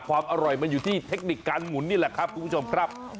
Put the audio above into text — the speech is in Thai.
ความอร่อยมันอยู่ที่เทคนิคการหมุนนี่แหละครับคุณผู้ชมครับ